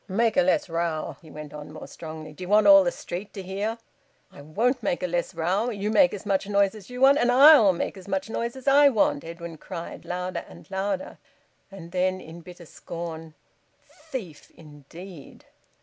"Make a less row!" he went on more strongly. "D'ye want all th' street to hear ye?" "I won't make a less row. You make as much noise as you want, and I'll make as much noise as I want!" Edwin cried louder and louder. And then in bitter scorn, "Thief, indeed!"